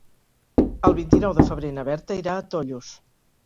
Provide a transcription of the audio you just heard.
El vint-i-nou de febrer na Berta irà a Tollos.